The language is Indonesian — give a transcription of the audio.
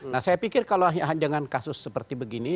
nah saya pikir kalau dengan kasus seperti begini